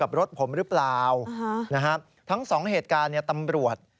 กับรถผมหรือเปล่าทั้ง๒เหตุการณ์เนี่ยตำรวจ